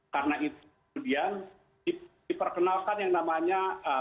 karena itu kemudian diperkenalkan yang namanya